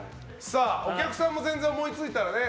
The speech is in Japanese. お客さんも、思いついたらね。